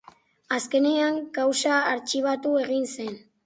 Azkenean, kausa artxibatu egin zen.